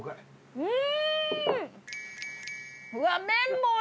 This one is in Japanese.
うん！